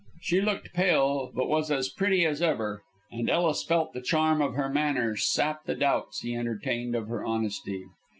She looked pale, but was as pretty as ever, and Ellis felt the charm of her manner sap the doubts he entertained of her honesty.